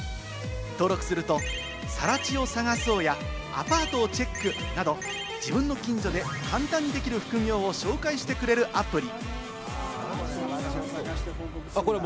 登録すると、さら地を探そうや、アパートをチェックなど自分の近所で簡単にできる副業を紹介してくれるアプリ。